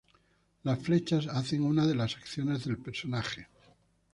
Las flechas hacen una de las acciones del personaje.